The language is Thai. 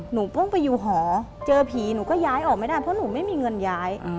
หนูเพิ่งไปอยู่หอเจอผีหนูก็ย้ายออกไม่ได้เพราะหนูไม่มีเงินย้าย